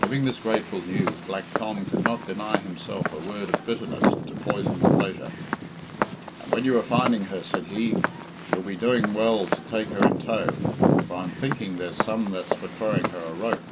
Giving this grateful news, Black Tom could not deny himself a word of bitterness to poison the pleasure. "And when you are finding her," said he, "you'll be doing well to take her in tow, for I'm thinking there's some that's for throwing her a rope."